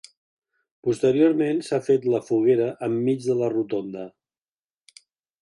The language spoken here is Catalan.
Posteriorment s’ha fet la foguera, enmig de la rotonda.